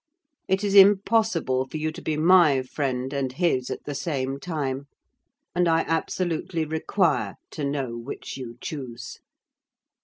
It is impossible for you to be my friend and his at the same time; and I absolutely require to know which you choose."